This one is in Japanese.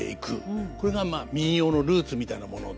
これがまあ民謡のルーツみたいなもので。